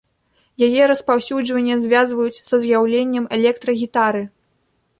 Яе распаўсюджванне звязваюць са з'яўленнем электрагітары.